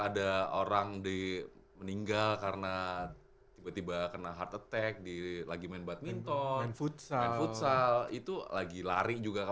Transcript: ada orang meninggal karena tiba tiba kena hard attack lagi main badminton main futsal itu lagi lari juga